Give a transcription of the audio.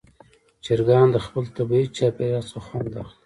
چرګان د خپل طبیعي چاپېریال څخه خوند اخلي.